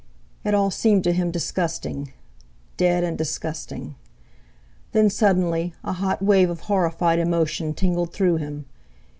It all seemed to him disgusting—dead and disgusting. Then, suddenly, a hot wave of horrified emotion tingled through him.